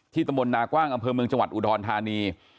ตำบลนากว้างอำเภอเมืองจังหวัดอุดรธานี